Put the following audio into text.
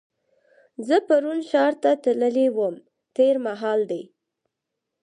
زه پرون ښار ته تللې وم تېر مهال دی.